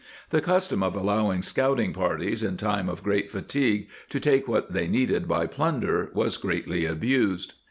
^ The custom of allow ing scouting parties in time of great fatigue to take what they needed by plunder was greatly abused.